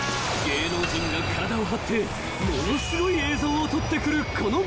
［芸能人が体を張ってものすごい映像を撮ってくるこの番組］